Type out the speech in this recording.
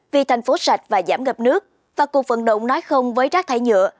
vì thành phố sạch và giảm ngập nước và cuộc vận động nói không với rác thải nhựa